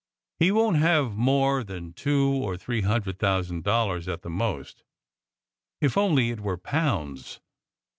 "He won t have more than two or three hundred thousand dollars at the most. If only it were pounds!